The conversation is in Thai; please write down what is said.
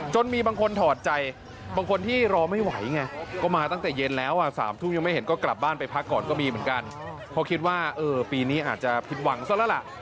มีบางคนถอดใจบางคนที่รอไม่ไหวไงก็มาตั้งแต่เย็นแล้วอ่ะ๓ทุ่มยังไม่เห็นก็กลับบ้านไปพักก่อนก็มีเหมือนกันเพราะคิดว่าเออปีนี้อาจจะผิดหวังซะแล้วล่ะ